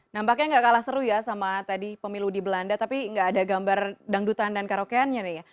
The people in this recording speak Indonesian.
nampaknya nggak kalah seru ya sama tadi pemilu di belanda tapi nggak ada gambar dangdutan dan karaokeannya nih ya